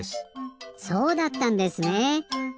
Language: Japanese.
そうだったんですねえ。